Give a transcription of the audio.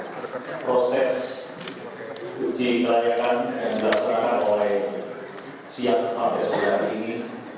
dan proses uji kelayakan yang dilaksanakan oleh siap sampai sekarang ini